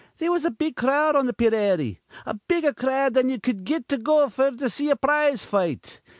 They was a big crowd on th' peerary, a bigger crowd than ye cud get to go f'r to see a prize fight.